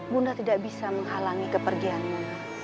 bunda tidak bisa menghalangi kepergiannya